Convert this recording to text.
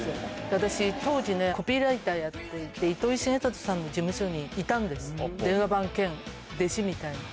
私、当時ね、コピーライターやっていて、糸井重里さんの事務所にいたんです、電話番兼弟子みたいな。